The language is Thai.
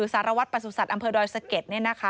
สารวัตรประสุทธิ์อำเภอดอยสะเก็ด